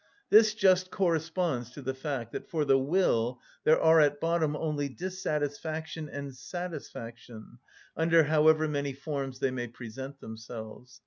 This just corresponds to the fact, that for the will there are at bottom only dissatisfaction and satisfaction, under however many forms they may present themselves.